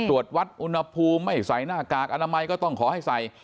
ตรวจวัดอุณหภูมิไม่ใส่หน้ากากอนามัยก็ต้องขอให้ใส่